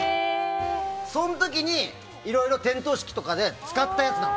そんときにいろいろ点灯式とかで使ったやつなの。